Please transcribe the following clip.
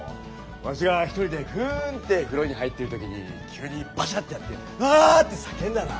わしが１人で「ふん」って風呂に入ってる時に急にバシャってやって「わ！」って叫んだら。